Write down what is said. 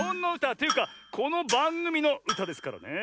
というかこのばんぐみのうたですからねえ。